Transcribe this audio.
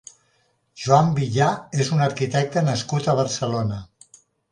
Joan Villà és un arquitecte nascut a Barcelona.